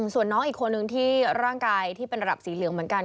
ส่วนน้องอีกคนนึงที่ร่างกายที่เป็นระดับสีเหลืองเหมือนกัน